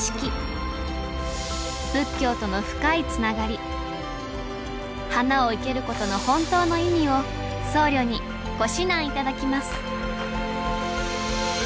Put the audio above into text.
仏教との深いつながり花を生けることの本当の意味を僧侶にご指南頂きます